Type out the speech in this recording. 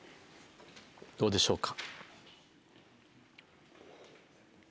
どうでしょうか？